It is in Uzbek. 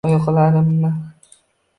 Oyoqlarimmi?